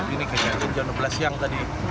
ini kejadian jam dua belas siang tadi